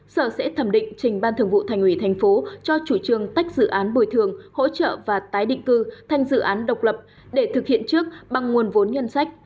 sở sẽ thẩm định trình ban thường vụ thành ủy thành phố cho chủ trương tách dự án bồi thường hỗ trợ và tái định cư thành dự án độc lập để thực hiện trước bằng nguồn vốn nhân sách